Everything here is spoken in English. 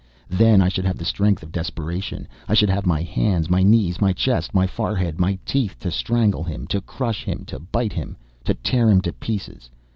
then I should have the strength of desperation; I should have my hands, my knees, my chest, my forehead, my teeth to strangle him, to crush him, to bite him, to tear him to pieces.